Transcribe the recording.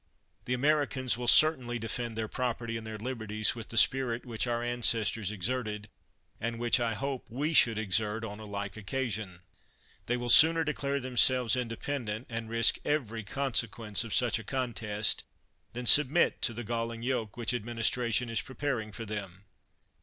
The Americans will certainly defend their property and their liberties with the spirit which our ancestors exerted, and which, I hope, we should exert, on a like occasion. They will sooner declare themselves independent, and risk every consequence of such a contest, than submit to the galling yoke which administration is preparing for them.